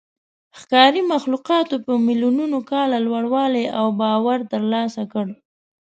ښکاري مخلوقاتو په میلیونونو کاله لوړوالی او باور ترلاسه کړ.